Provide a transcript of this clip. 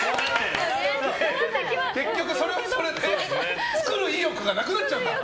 結局、それで作る意欲がなくなっちゃうんだ。